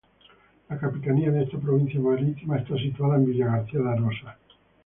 La capitanía de esta provincia marítima está situada en Villagarcía de Arosa.